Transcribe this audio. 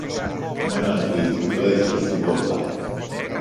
Μ' έναν πήδο βρέθηκε στην πόρτα